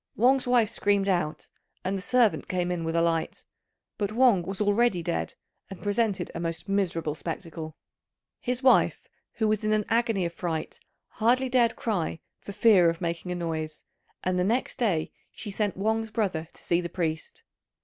Wang's wife screamed out, and the servant came in with a light; but Wang was already dead and presented a most miserable spectacle. His wife, who was in an agony of fright, hardly dared cry for fear of making a noise; and next day she sent Wang's brother to see the priest.